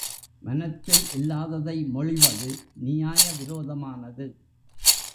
மனத்தில் இல்லாததை மொழிவது நியாய விரோதமானது.